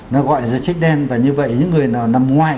nó gọi là danh sách đen và như vậy những người nằm ngoài